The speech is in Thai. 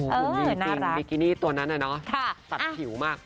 นี่จริงบิกินี่ตัวนั้นเนี่ยเนาะตัดผิวมาก